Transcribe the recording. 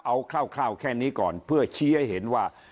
เอาคร่าวแค่นี้ก่อนเพื่อชี้ให้เห็นว่า